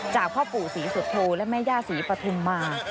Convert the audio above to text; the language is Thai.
พ่อปู่ศรีสุโธและแม่ย่าศรีปฐุมมา